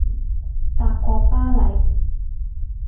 法國巴黎